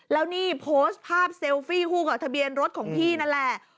แล้วนี่โพสต์ภาพเซลฟี่คู่กับทะเบียนรถของพี่นั่นแหละ